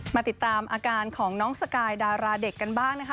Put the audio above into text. มาติดตามอาการของน้องสกายดาราเด็กกันบ้างนะคะ